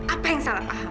apa yang salah paham